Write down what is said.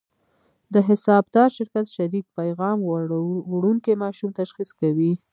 د حسابدار شرکت شریک پیغام وړونکي ماشوم تشخیص کوي.